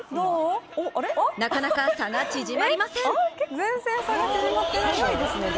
なかなか差が縮まりません。